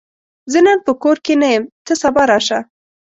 زه نن په کور کې نه یم، ته سبا راشه!